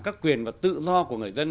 các quyền và tự do của người dân